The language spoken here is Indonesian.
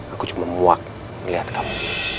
aku cuma muak melihat kamu